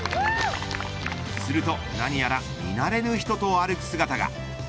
すると、何やら見慣れぬ人と歩く姿が。